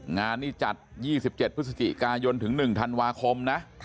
งานนี้จัด๒๗พฤศจิกายนถึง๑ธันวาคมนะ